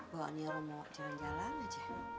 bawaannya rumah jalan jalan aja